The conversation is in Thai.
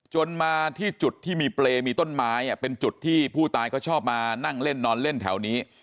จนมาที่จุดที่มีเปรย์มีต้นไม้เป็นจุดที่ผู้ตายเขาชอบมานั่งเล่นนอนเล่นแถวนี้